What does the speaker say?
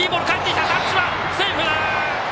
タッチはセーフ！